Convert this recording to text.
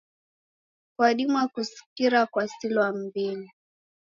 Kwadima kusikira kwasilwa m'mbinyi.